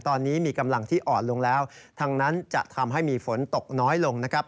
ตอนนี้มีกำลังที่อ่อนลงแล้วทั้งนั้นจะทำให้มีฝนตกน้อยลงนะครับ